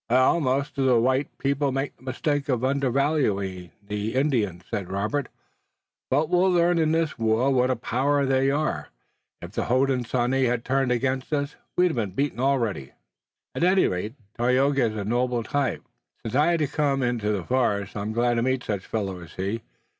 "Most of the white people make the mistake of undervaluing the Indians," said Robert, "but we'll learn in this war what a power they are. If the Hodenosaunee had turned against us we'd have been beaten already." "At any rate, Tayoga is a noble type. Since I had to come into the forest I'm glad to meet such fellows as he.